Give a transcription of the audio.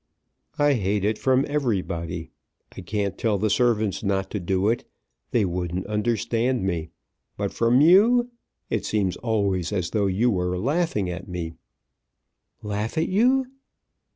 "I hate it from everybody. I can't tell the servants not to do it. They wouldn't understand me. But from you! It seems always as though you were laughing at me." "Laugh at you!"